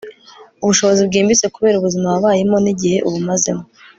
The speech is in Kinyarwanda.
ubushobozi bwimbitse kubera ubuzima wabayemo n'igihe ubumazemo